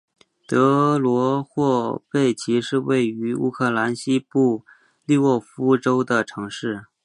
德罗霍贝奇是位于乌克兰西部利沃夫州的城市。